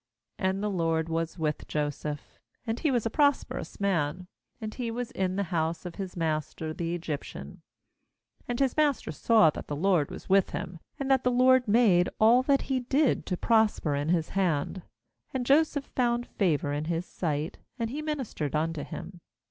2And the LOED was with Joseph, and he was a prosperous man; and he was in the house of his master the Egyptian. • That is, 3And his master saw that the LORD was with him, and that the LORD made all that he did to prosper in his hand. 4And Joseph found favour in his sight, and he ministered unto him.